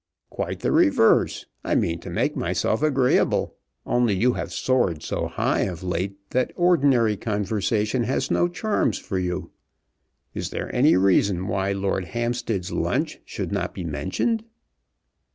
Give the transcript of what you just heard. "Quite the reverse. I mean to make myself agreeable; only you have soared so high of late that ordinary conversation has no charms for you. Is there any reason why Lord Hampstead's lunch should not be mentioned?"